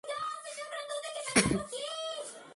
Sin embargo su reinado iba a ser breve.